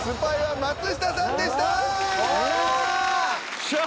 よっしゃ！